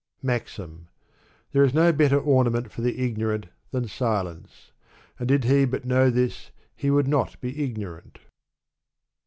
iCAxnc. There is no better ornament for the ignorant than silence, and did he but know this he would not be ignorant.